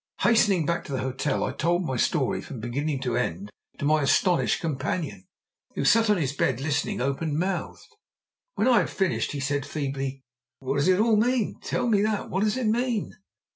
Hastening back to the hotel, I told my story from beginning to end to my astonished companion, who sat on his bed listening open mouthed. When I had finished he said feebly, "But what does it all mean? Tell me that! What does it mean?"